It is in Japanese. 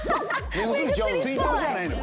目薬ちゃうの？